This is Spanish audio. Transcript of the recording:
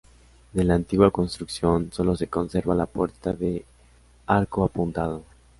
De la antigua construcción sólo se conserva la puerta de arco apuntado.